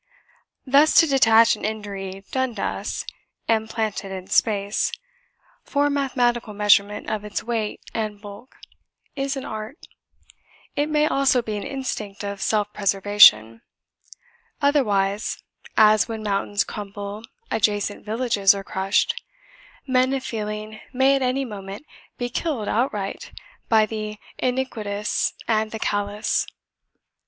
Thus to detach an injury done to us, and plant it in space, for mathematical measurement of its weight and bulk, is an art; it may also be an instinct of self preservation; otherwise, as when mountains crumble adjacent villages are crushed, men of feeling may at any moment be killed outright by the iniquitous and the callous.